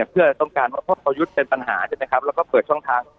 เพื่อต้องการว่าพบประยุทธ์เป็นปัญหาใช่ไหมครับแล้วก็เปิดช่องทาง